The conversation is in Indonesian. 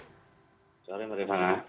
selamat sore pak arief